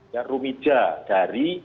yang rumija dari